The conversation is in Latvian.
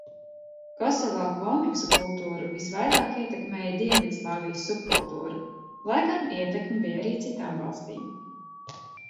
Kosovā komiksu kultūru visvairāk ietekmēja Dienvidslāvijas subkultūra, lai gan ietekme bija arī citām valstīm.